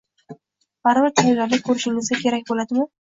baribir tayyorgarlik koʻrishingiz kerak boʻladimi?